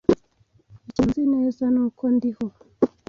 Ikintu nzi neza ni uko ndiho.